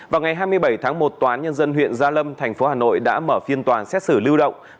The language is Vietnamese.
vào ngày hai mươi bảy tháng một toán nhân dân huyện gia lâm thành phố hà nội đã mở phiên toàn xét xử lưu động